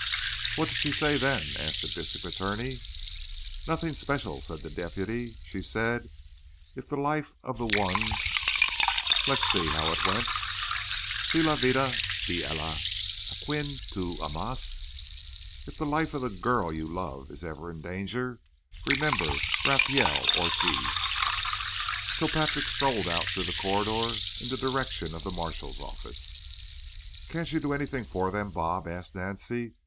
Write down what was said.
"What did she say then?" asked the district attorney. "Nothing special," said the deputy. "She said: 'If the life of the one'—let's see how it went—'Si la vida de ella á quien tu amas—if the life of the girl you love is ever in danger, remember Rafael Ortiz.'" Kilpatrick strolled out through the corridor in the direction of the marshal's office. "Can't you do anything for them, Bob?" asked Nancy.